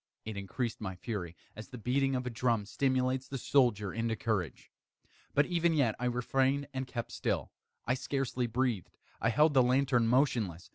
It increased my fury, as the beating of a drum stimulates the soldier into courage. But even yet I refrained and kept still. I scarcely breathed. I held the lantern motionless.